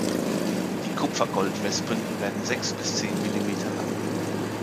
Die Kupfer-Goldwespen werden sechs bis zehn Millimeter lang.